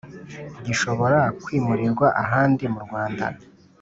Gishobora kwimurirwa ahandi mu Rwanda